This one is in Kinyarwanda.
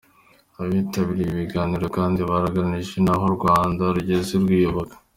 Abitabirye ibi biganiro kandi bagaragarijwe n’aho u Rwanda rugeze rwiyubaka.